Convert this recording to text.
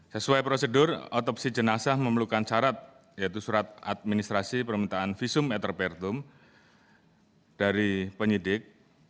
sesuai prosedur otopsi jenazah memerlukan syarat yaitu surat administrasi permintaan visum eterpertum dari penyidik